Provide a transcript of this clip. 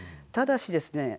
ただしですね